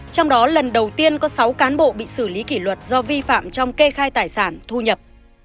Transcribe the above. trong đó lần đầu tiên có sáu cán bộ bị xử lý kỷ luật do vi phạm trong kê khai tài sản thu nhập